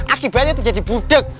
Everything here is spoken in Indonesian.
akibatnya tuh jadi budeg